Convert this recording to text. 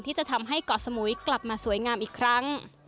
ที่จะทำให้เกาะสมุยกลับมาสวยงามอีกครั้ง